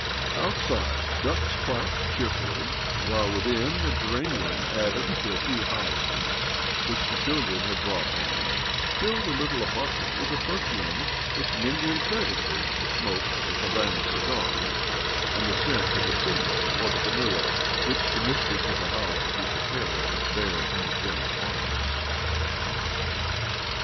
Outside, ducks quacked cheerfully, while, within, a geranium, added to a few hyacinths which the children had 27б OBLOMOV brought home, filled the little apartment wit a perfume which mingled pleasantly with th smoke of Havana cigars and the scent с the cinnamon or the vanilla which th mistress of the house would be preparin with bare, energetic arms.